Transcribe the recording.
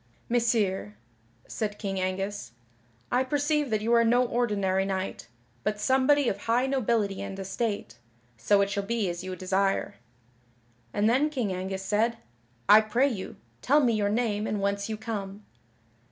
"Messire," said King Angus, "I perceive that you are no ordinary knight, but somebody of high nobility and estate, so it shall be as you desire." And then King Angus said: "I pray you, tell me your name and whence you come."